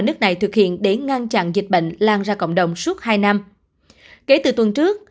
nước này thực hiện để ngăn chặn dịch bệnh lan ra cộng đồng suốt hai năm kể từ tuần trước